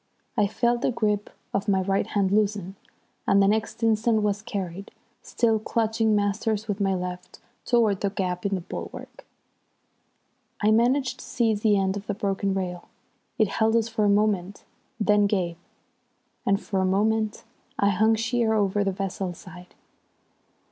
I felt the grip of my right hand loosen, and the next instant was carried, still clutching Masters with my left, towards that gap in the bulwark. I managed to seize the end of the broken rail. It held us for a moment, then gave, and for a moment I hung sheer over the vessel's side.